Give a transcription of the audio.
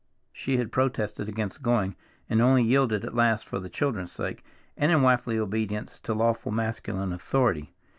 She had protested against going, and only yielded at last for the children's sake and in wifely obedience to lawful masculine authority.